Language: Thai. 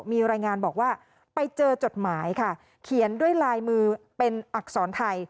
มีรายงานบอกว่าไปเจอจดหมายค่ะเขียนด้วยลายมือเป็นอักษรไทย